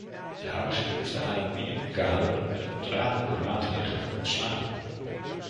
Daarom is er behoefte aan een minimumkader met ontradende maatregelen voor ontslagen.